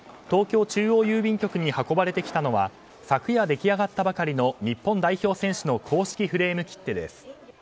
東京中央郵便局に運ばれてきたのは昨夜、出来上がったばかりの日本代表選手の公式フレーム切手です。